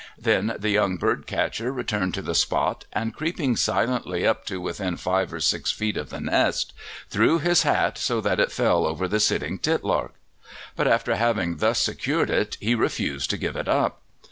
Then the young birdcatcher returned to the spot, and creeping quietly up to within five or six feet of the nest threw his hat so that it fell over the sitting titlark; but after having thus secured it he refused to give it up.